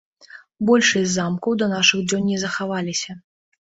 Большасць замкаў да нашых дзён не захаваліся.